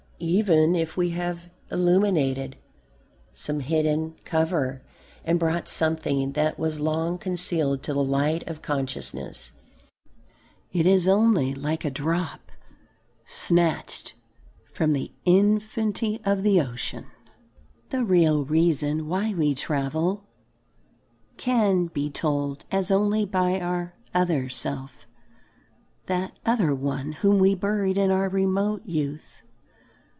Even if we have illumined some hidden corner and brought something that was long concealed to the light of consciousness, it is only like a drop snatched from the infinity of the ocean. The real reason why we travel can be told us only by our "other self," that "other one" whom we buried in our remote youth.